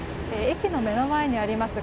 駅の目の前にあります